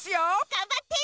がんばって！